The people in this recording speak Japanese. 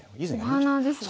お花ですね。